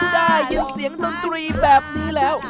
ได้ยินเสียงดนตรีแบบนี้แล้ว